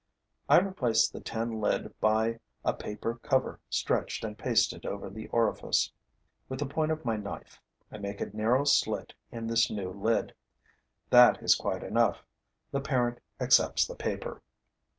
I replace the tin lid by a paper cover stretched and pasted over the orifice. With the point of my knife, I make a narrow slit in this new lid. That is quite enough: the parent accepts the paper.